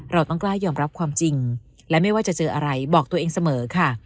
เราต้องกล้ายอมรับความจริงและไม่ว่าจะเจออะไรบอกตัวเองเสมอค่ะ